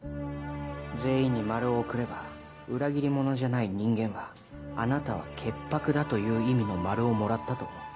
全員に「○」を送れば裏切り者じゃない人間は「あなたは潔白だ」という意味の「○」をもらったと思う。